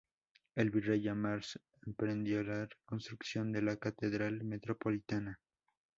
El virrey Amar emprendió la reconstrucción de la Catedral Metropolitana.